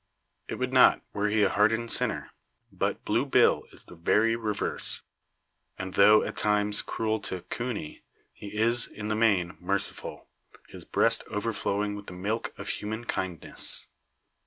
It would not, were he a hardened sinner; but Blue Bill is the very reverse; and though, at times, cruel to "coony," he is, in the main, merciful, his breast overflowing with the milk of human kindness.